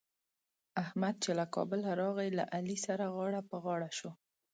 احمد چې له کابله راغی؛ له علي سره غاړه په غاړه شو.